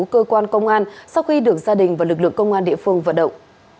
cơ quan công an sau khi được gia đình và lực lượng công an địa phương vận động